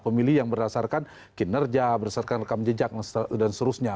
pemilih yang berdasarkan kinerja berdasarkan rekam jejak dan seterusnya